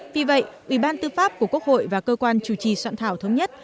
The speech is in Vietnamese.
vì vậy ủy ban tư pháp của quốc hội và cơ quan chủ trì soạn thảo thống nhất